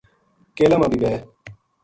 کیلا ما بے وھے